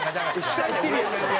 下いってるやん。